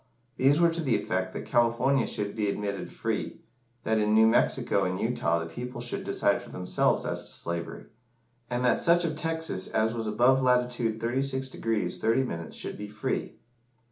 These were to the effect that California should be admitted free that in New Mexico and Utah the people should decide for themselves as to slavery and that such of Texas as was above latitude 36° 30´ should be free.